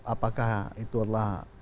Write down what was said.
apakah itu adalah